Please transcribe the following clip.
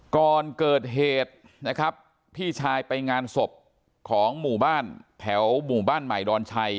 ก่อนเกิดเหตุนะครับพี่ชายไปงานศพของหมู่บ้านแถวหมู่บ้านใหม่ดอนชัย